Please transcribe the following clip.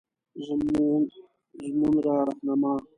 زمونره رهنما